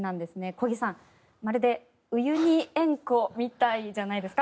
小木さんまるでウユニ塩湖みたいじゃないですか？